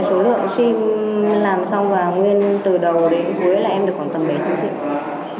tổng số lượng sim làm xong và nguyễn từ đầu đến cuối là em được khoảng tầm bảy một mươi triệu